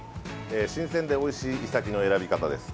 新鮮でおいしいイサキの選び方です。